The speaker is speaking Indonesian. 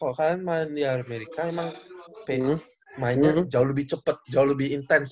kalau kalian main di amerika emang mainnya jauh lebih cepet jauh lebih intens